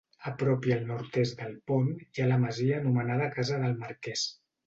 A prop i al nord-est del pont hi ha la masia anomenada Casa del Marquès.